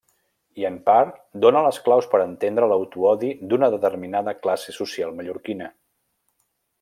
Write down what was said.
I en part dóna les claus per entendre l'autoodi d'una determinada classe social mallorquina.